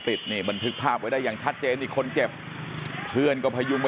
ปิดนี่บันทึกภาพไว้ได้อย่างชัดเจนอีกคนเจ็บเพื่อนก็พยุงไว้